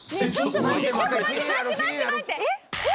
ちょっと待って待って待って待って！